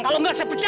kalau gak saya pecah